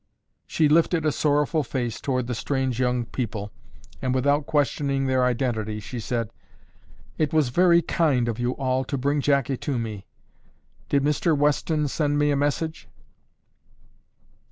She lifted a sorrowful face toward the strange young people and without questioning their identity, she said, "It was very kind of you all to bring Jackie to me. Did Mr. Weston send me a message?"